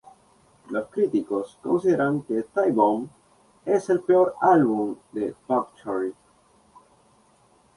Los críticos consideran que "Time Bomb" es el peor álbum de Buckcherry.